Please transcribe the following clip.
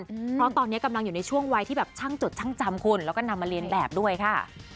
เพราะตอนนี้กำลังอยู่ในช่วงวัยที่แบบช่างจดช่างจำคุณแล้วก็นำมาเรียนแบบด้วยค่ะ